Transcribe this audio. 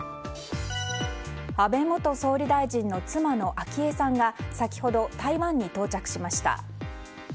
安倍元総理大臣の妻の昭恵さんが先ほど台湾に到着しました。